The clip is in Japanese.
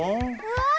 わあ！